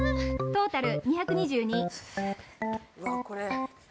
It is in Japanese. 「トータル２３７」。